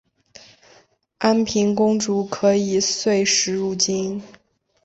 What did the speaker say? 安平公主可以岁时入京。